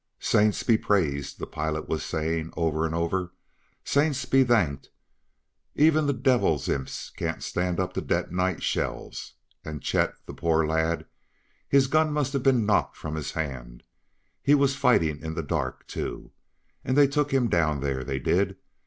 "Saints be praised!" the pilot was saying over and over. "Saints be thanked! even the Devil's imps can't stand up to detonite shells! And Chet, the poor lad! his gun must have been knocked from his hand; he was fightin' in the dark, too! And they took him down there, they did!